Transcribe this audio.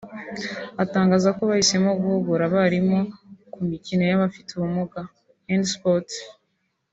atangaza ko bahisemo guhugura abarimu ku mikino y’abafite ubumuga (handi sport)